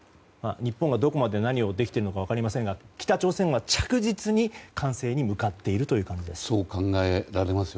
日本がどこまで何をできているのかは分かりませんが北朝鮮は着実に完成に向かっているという感じです。